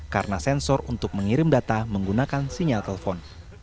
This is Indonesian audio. karena sensor untuk mengirim data menggunakan sinyal telepon